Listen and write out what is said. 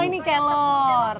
oh ini kelor